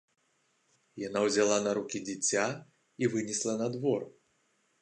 Яна ўзяла на рукі дзіця і вынесла на двор.